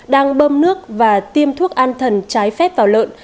đang bơm nước và tiêm thuốc an thần trái phép vào lợn